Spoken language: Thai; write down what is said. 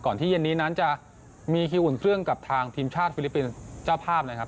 ที่เย็นนี้นั้นจะมีคิวอุ่นเครื่องกับทางทีมชาติฟิลิปปินส์เจ้าภาพนะครับ